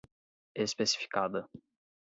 especificada